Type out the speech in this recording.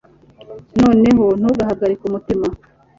noneho, ntugahagarike umutima